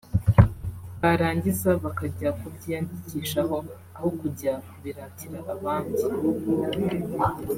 barangiza bakajya kubyiyandikishaho aho kujya kubiratira abandi